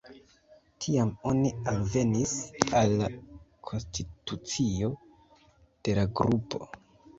Tiam oni alvenis al la konstitucio de la grupo.